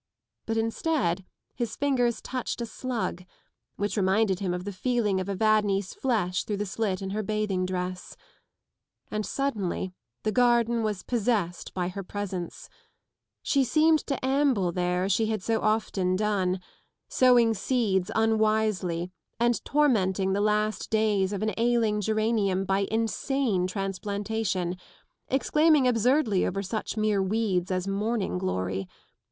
But instead his fingers touched a slug, which reminded him of the feeling of Evadne's flesh through the slit in her bathing dress. And suddenly the garden was possessed by her presence : she seemed to amble there as she had so often done, sowing seeds unwisely and tormenting the last days of an ailing geranium by insane transplantation, exclaiming absurdly over such mere weeds as morning glory.